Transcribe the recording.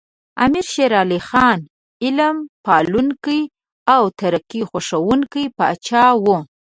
امیر شیر علی خان علم پالونکی او ترقي خوښوونکی پاچا و.